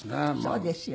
そうですよ。